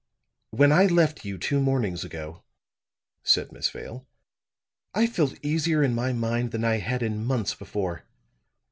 "When I left you two mornings ago," said Miss Vale, "I felt easier in my mind than I had in months before.